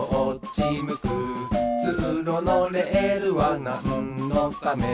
「つうろのレールはなんのため」